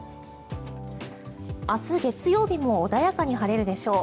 明日月曜日も穏やかに晴れるでしょう。